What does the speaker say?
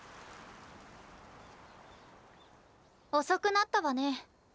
遅くなったわね。